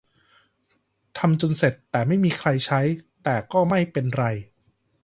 ทำจนเสร็จ แต่ไม่มีใครใช้ - แต่ก็ไม่เป็นไร